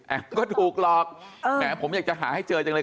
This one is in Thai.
ก็ถูกหลอกแหมผมอยากจะหาให้เจอจังเลย